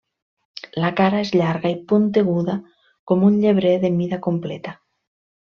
La cara és llarga i punteguda, com un llebrer de mida completa.